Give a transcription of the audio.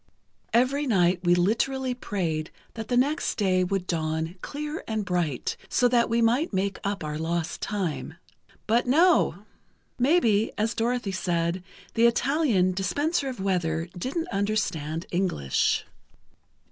"Every night we literally prayed that the next day would dawn clear and bright, so that we might make up our lost time. But no! Maybe, as Dorothy said, the Italian 'dispenser of weather,' didn't understand English.